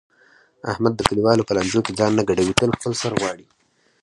احمد د کلیوالو په لانجو کې ځان نه ګډوي تل د خپل سر غواړي.